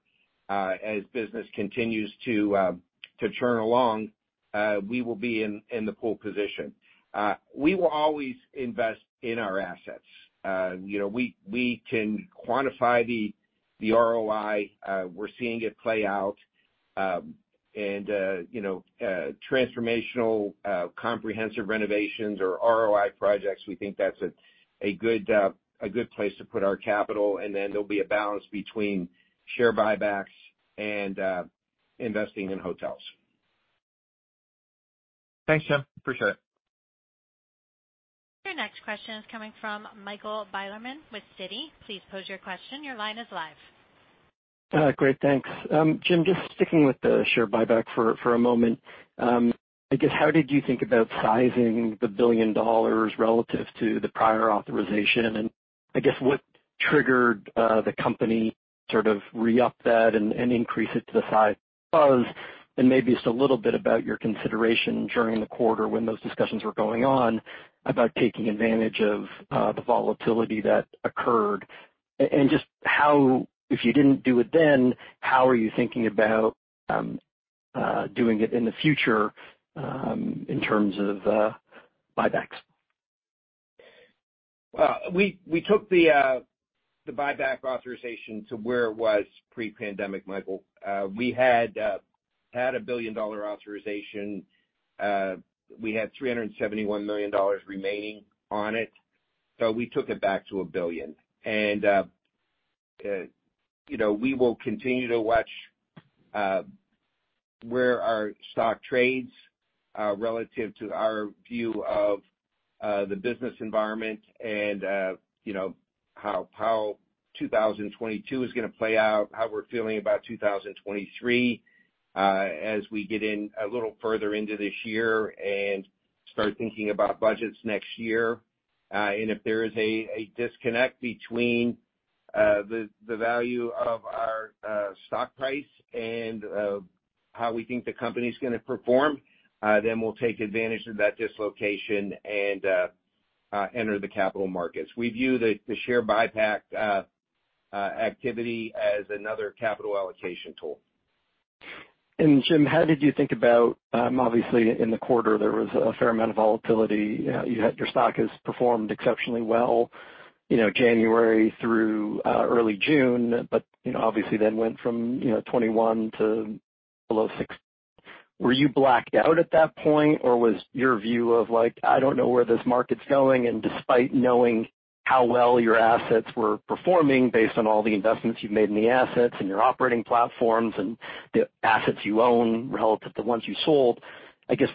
as business continues to churn along, we will be in the pole position. We will always invest in our assets. You know, we can quantify the ROI, we're seeing it play out. You know, transformational comprehensive renovations or ROI projects, we think that's a good place to put our capital. Then there'll be a balance between share buybacks and investing in hotels. Thanks, Jim. Appreciate it. Your next question is coming from Michael Bilerman with Citi. Please pose your question. Your line is live. Great, thanks. Jim, just sticking with the share buyback for a moment. I guess how did you think about sizing the $1 billion relative to the prior authorization? I guess what triggered the company sort of reup that and increase it to the size it was? Maybe just a little bit about your consideration during the quarter when those discussions were going on about taking advantage of the volatility that occurred. Just how, if you didn't do it then, how are you thinking about doing it in the future, in terms of buybacks? Well, we took the buyback authorization to where it was pre-pandemic, Michael. We had a $1 billion authorization. We had $371 million remaining on it, so we took it back to $1 billion. You know, we will continue to watch where our stock trades relative to our view of the business environment and you know how 2022 is gonna play out, how we're feeling about 2023 as we get in a little further into this year and start thinking about budgets next year. If there is a disconnect between the value of our stock price and how we think the company's gonna perform, then we'll take advantage of that dislocation and enter the capital markets. We view the share buyback activity as another capital allocation tool. Jim, how did you think about, obviously in the quarter, there was a fair amount of volatility. Your stock has performed exceptionally well, you know, January through early June, but, you know, obviously then went from, you know, 21 to below six. Were you blacked out at that point, or was your view of like, "I don't know where this market's going," and despite knowing how well your assets were performing based on all the investments you've made in the assets and your operating platforms and the assets you own relative to ones you sold, I guess,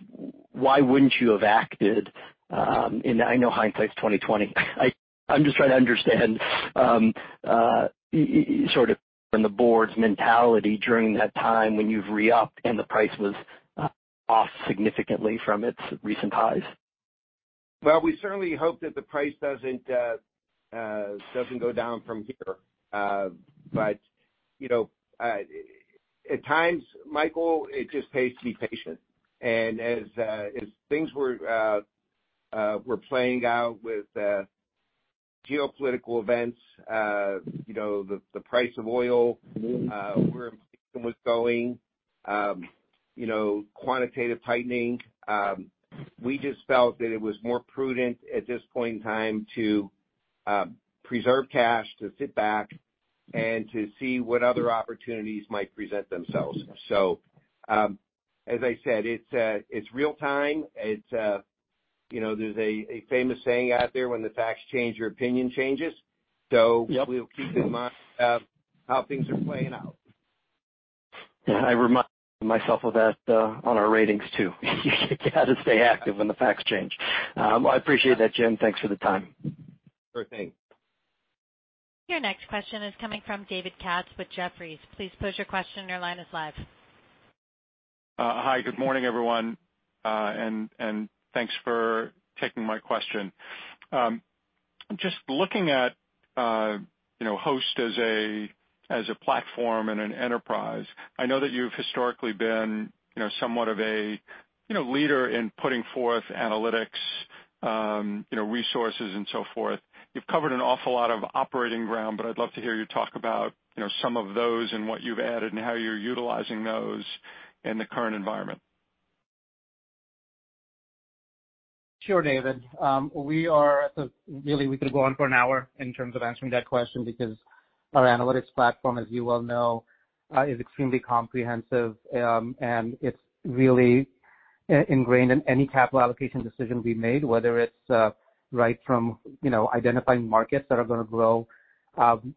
why wouldn't you have acted, and I know hindsight's 20/20. I'm just trying to understand, sort of from the board's mentality during that time when you've re-upped and the price was off significantly from its recent highs. Well, we certainly hope that the price doesn't go down from here. You know, at times, Michael, it just pays to be patient. As things were playing out with geopolitical events, you know, the price of oil. Mm-hmm Where inflation was going, you know, quantitative tightening, we just felt that it was more prudent at this point in time to preserve cash, to sit back, and to see what other opportunities might present themselves. As I said, it's real time. It's, you know, there's a famous saying out there, "When the facts change, your opinion changes. Yep. We'll keep in mind how things are playing out. Yeah, I remind myself of that on our ratings too. You gotta stay active when the facts change. I appreciate that, Jim. Thanks for the time. Sure thing. Your next question is coming from David Katz with Jefferies. Please pose your question. Your line is live. Hi, good morning, everyone. Thanks for taking my question. Just looking at, you know, Host as a platform and an enterprise, I know that you've historically been, you know, somewhat of a leader in putting forth analytics, you know, resources and so forth. You've covered an awful lot of operating ground, but I'd love to hear you talk about, you know, some of those and what you've added and how you're utilizing those in the current environment. Sure, David. Really, we could go on for an hour in terms of answering that question because our analytics platform, as you well know, is extremely comprehensive, and it's really ingrained in any capital allocation decision we made, whether it's right from, you know, identifying markets that are gonna grow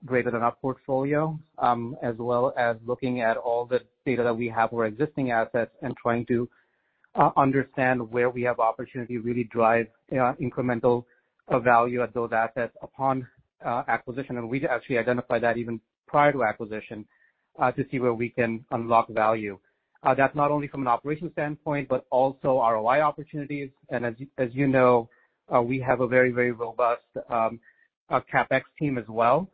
great in our portfolio, as well as looking at all the data that we have for our existing assets and trying to understand where we have opportunity to really drive incremental value at those assets upon acquisition. We actually identify that even prior to acquisition to see where we can unlock value. That's not only from an operations standpoint, but also ROI opportunities. As you know, we have a very, very robust Our CapEx team as well.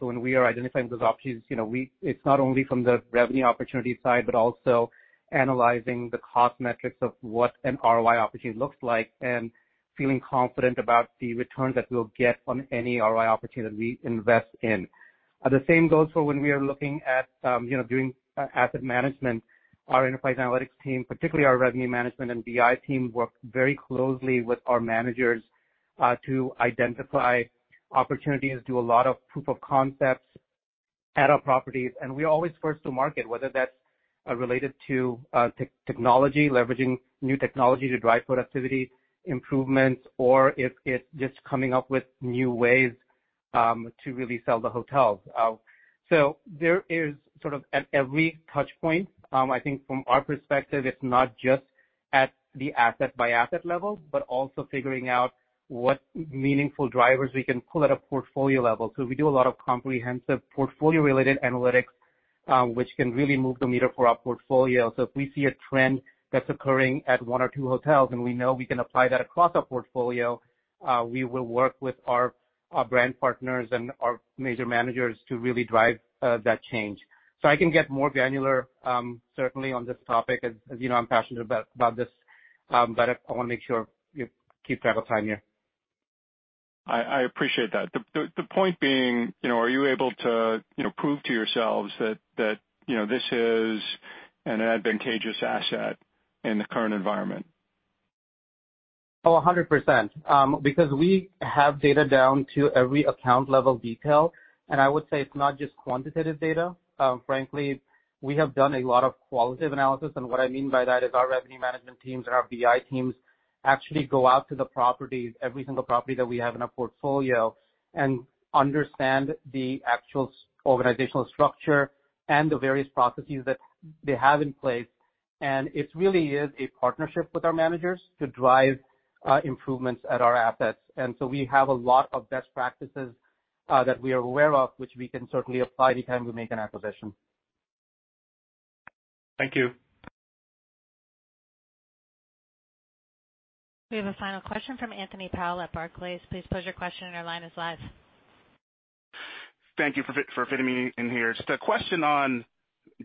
When we are identifying those options, you know, it's not only from the revenue opportunity side, but also analyzing the cost metrics of what an ROI opportunity looks like and feeling confident about the return that we'll get on any ROI opportunity we invest in. The same goes for when we are looking at, you know, doing asset management. Our enterprise analytics team, particularly our revenue management and BI team, work very closely with our managers to identify opportunities, do a lot of proof of concepts at our properties, and we're always first to market, whether that's related to technology, leveraging new technology to drive productivity improvements or if it's just coming up with new ways to really sell the hotels. There is sort of at every touch point, I think from our perspective, it's not just at the asset-by-asset level, but also figuring out what meaningful drivers we can pull at a portfolio level. We do a lot of comprehensive portfolio-related analytics, which can really move the meter for our portfolio. If we see a trend that's occurring at one or two hotels and we know we can apply that across our portfolio, we will work with our brand partners and our major managers to really drive that change. I can get more granular, certainly on this topic as you know, I'm passionate about this, but I wanna make sure we keep track of time here. I appreciate that. The point being, you know, are you able to, you know, prove to yourselves that, you know, this is an advantageous asset in the current environment? Oh, 100%. Because we have data down to every account level detail, and I would say it's not just quantitative data. Frankly, we have done a lot of qualitative analysis, and what I mean by that is our revenue management teams and our BI teams actually go out to the properties, every single property that we have in our portfolio and understand the actual organizational structure and the various processes that they have in place. It really is a partnership with our managers to drive improvements at our assets. We have a lot of best practices that we are aware of, which we can certainly apply anytime we make an acquisition. Thank you. We have a final question from Anthony Powell at Barclays. Please pose your question, your line is live. Thank you for fitting me in here. Just a question on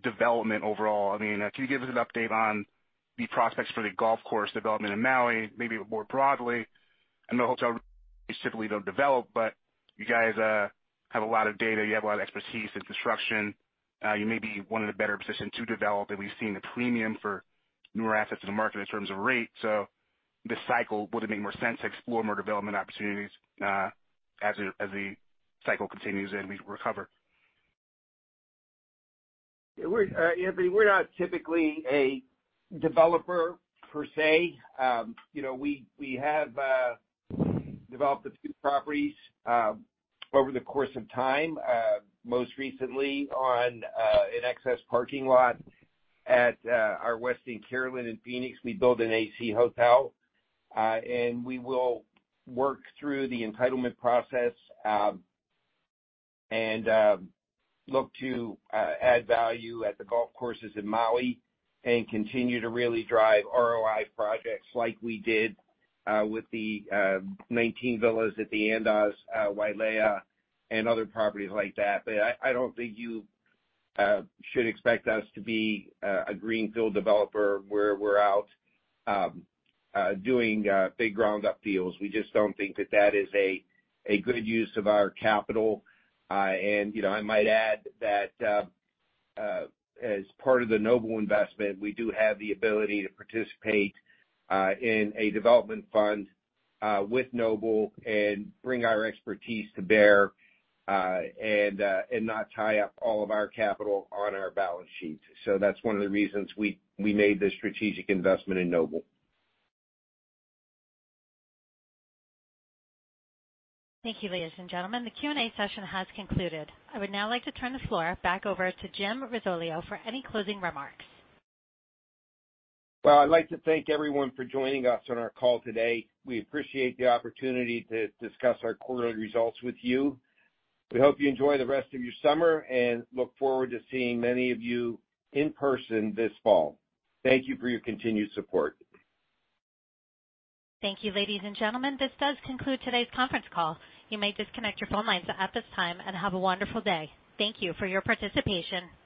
development overall. I mean, can you give us an update on the prospects for the golf course development in Maui, maybe more broadly? I know hotel typically don't develop, but you guys have a lot of data, you have a lot of expertise in construction, you may be one of the better positioned to develop, and we've seen a premium for newer assets in the market in terms of rate. So this cycle, would it make more sense to explore more development opportunities, as the cycle continues and we recover? I mean, we're not typically a developer per se. You know, we have developed a few properties over the course of time, most recently on an excess parking lot at our Westin Kierland in Phoenix. We built an AC Hotel, and we will work through the entitlement process and look to add value at the golf courses in Maui and continue to really drive ROI projects like we did with the 19 villas at the Andaz Wailea and other properties like that. I don't think you should expect us to be a greenfield developer where we're out doing big ground up deals. We just don't think that is a good use of our capital. You know, I might add that, as part of the Noble investment, we do have the ability to participate in a development fund with Noble and bring our expertise to bear, and not tie up all of our capital on our balance sheet. So that's one of the reasons we made this strategic investment in Noble. Thank you, ladies and gentlemen. The Q&A session has concluded. I would now like to turn the floor back over to Jim Risoleo for any closing remarks. Well, I'd like to thank everyone for joining us on our call today. We appreciate the opportunity to discuss our quarterly results with you. We hope you enjoy the rest of your summer and look forward to seeing many of you in person this fall. Thank you for your continued support. Thank you, ladies and gentlemen. This does conclude today's conference call. You may disconnect your phone lines at this time and have a wonderful day. Thank you for your participation.